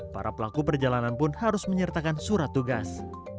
para pelaku perjalanan pun harus menyertakan surat tugas